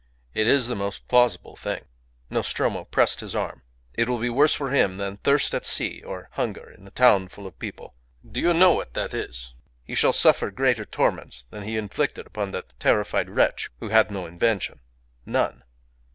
It is the most plausible thing." Nostromo pressed his arm. "It will be worse for him than thirst at sea or hunger in a town full of people. Do you know what that is? He shall suffer greater torments than he inflicted upon that terrified wretch who had no invention. None! none!